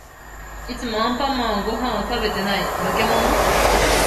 いつもアンパンマンはご飯を食べてない。のけもの？